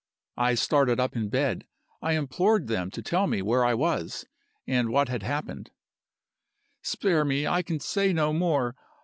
I started up in the bed. I implored them to tell me where I was, and what had happened "Spare me! I can say no more.